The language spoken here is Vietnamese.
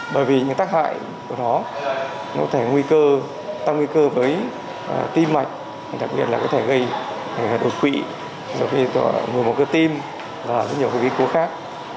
bởi vì những tác hại của nó nó có thể nguy cơ tăng nguy cơ với tim mạch đặc biệt là có thể gây đột quỵ dọc vi tỏa ngừa một cơ tim và rất nhiều cái vĩ cố khác